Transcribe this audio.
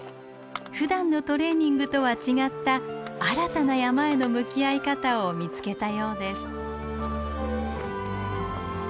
ふだんのトレーニングとは違った新たな山への向き合い方を見つけたようです。